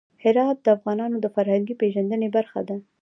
هرات د افغانانو د فرهنګي پیژندنې برخه ده.